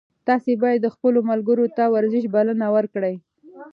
تاسي باید خپلو ملګرو ته د ورزش بلنه ورکړئ.